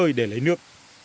khơi để lấy nước